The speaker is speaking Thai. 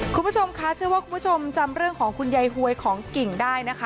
คุณผู้ชมคะเชื่อว่าคุณผู้ชมจำเรื่องของคุณยายหวยของกิ่งได้นะคะ